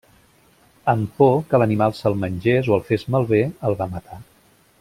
Amb por que l'animal se'l mengés o el fes malbé, el va matar.